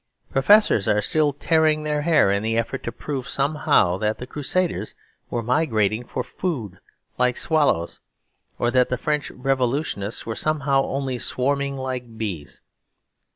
Professors are still tearing their hair in the effort to prove somehow that the Crusaders were migrating for food like swallows; or that the French Revolutionists were somehow only swarming like bees.